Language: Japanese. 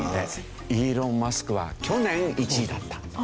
イーロン・マスクは去年１位だった。